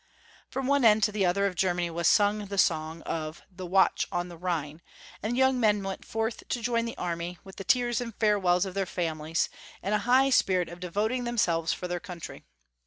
From one end to the other of Germany was sung the song of " the Watch on the Rliine," and the young men went forth to join the army, with the tears and farewells of their families, in a high spirit of devoting themselves for their country.